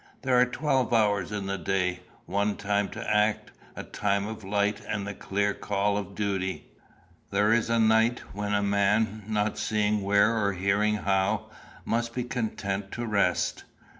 There are twelve hours in the day one time to act a time of light and the clear call of duty; there is a night when a man, not seeing where or hearing how, must be content to rest.